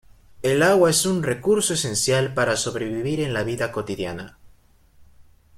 El agua es un recurso esencial para sobrevivir en la vida cotidiana.